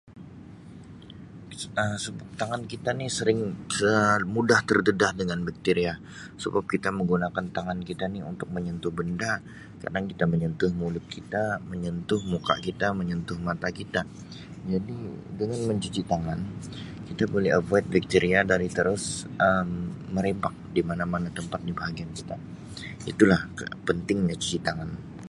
"Um Sebab tangan kita ni sering Um mudah terdedah dengan bakteria sebab kita menggunakan tangan kita ni untuk menyentuh benda kadang kita menyentuh mulut kita, menyentuh muka kita, menyentuh mata kita jadi dengan mencuci tangan kita boleh ""avoid"" bakteria dari terus Um merebak di mana-mana tempat di bahagian kita itu lah pentingnya cuci tangan."